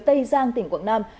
tây giang tỉnh quảng nam